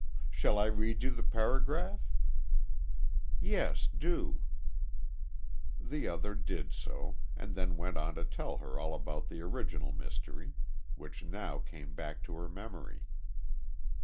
"Shall I read you the paragraph?" "Yes, do." The other did so, and then went on to tell her all about the original mystery, which now came back to her memory.